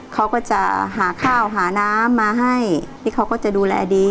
เขาก็จะหาข้าวหาน้ำมาให้พี่เขาก็จะดูแลดี